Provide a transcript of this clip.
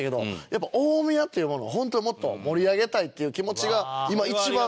やっぱ大宮っていうものを本当にもっと盛り上げたいっていう気持ちが今一番